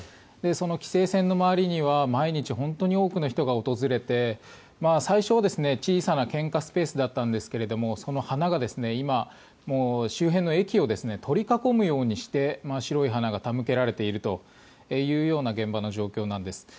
その規制線の周りには毎日、本当に多くの人が訪れて最初、小さな献花スペースだったんですがその花が今、周辺の駅を取り囲むようにして白い花が手向けられているというような現場の状況なんです。